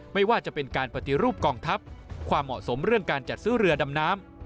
ไม่ว่าจะเป็นการปฏิรูปกองทัพความเหมาะสมเรื่องการจัดซื้อเรือดำน้ำ